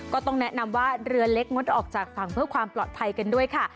ก็ต้องแนะนำว่าเรือเล็กงดออกจากฝั่งเพื่อความปลอดภัยกันด้วยค่ะ